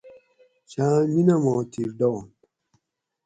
چھاں مینہ ماتھی ڈۤونت